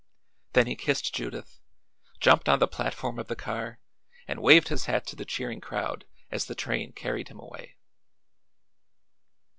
Then he kissed Judith, jumped on the platform of the car and waved his hat to the cheering crowd as the train carried him away.